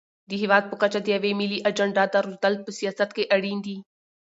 د هېواد په کچه د یوې ملي اجنډا درلودل په سیاست کې اړین دي.